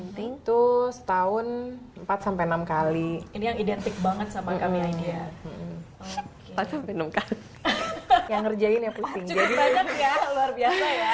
cukup banget ya luar biasa ya